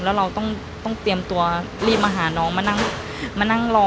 แล้วเราต้องเตรียมตัวรีบมาหาน้องมานั่งรอ